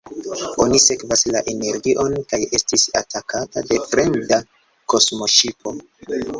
Oni sekvas la energion kaj estis atakata de fremda kosmoŝipo.